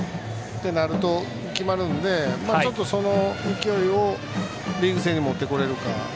そうなると決まるのでその勢いをリーグ戦に持ってこれるか。